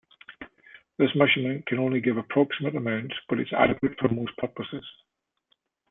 This measurement can only give approximate amounts, but is adequate for most purposes.